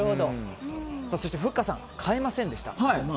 そして、ふっかさん変えませんでした。